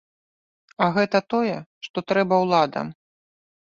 А гэта тое, што трэба ўладам.